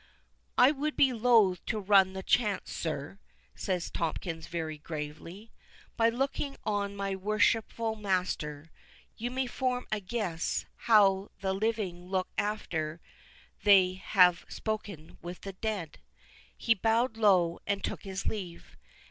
"I would be loth to run the chance, sir," said Tomkins very gravely; "by looking on my worshipful master, you may form a guess how the living look after they have spoken with the dead." He bowed low, and took his leave.